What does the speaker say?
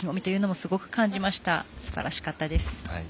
すばらしかったです。